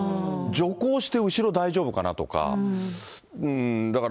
徐行して後ろ大丈夫かなとか、だから。